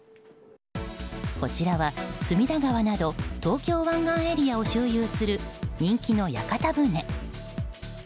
こちらは隅田川など東京湾岸エリアを周遊する人気の屋形船。